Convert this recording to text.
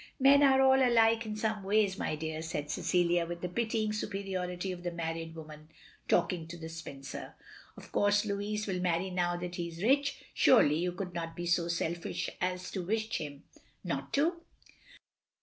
"Men are all alike in some ways, my dear," said Cecilia, with the pitying superiority of the married woman talking to the spinster. "Of course Louis will marry now that he is rich. Surely you could not be so selfish as to wish him not to?"